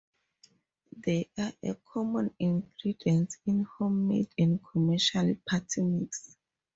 They are a common ingredient in homemade and commercial party mix.